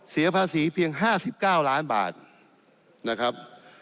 เสียภาษีเพียง๕๙ล้านบาทนะครับ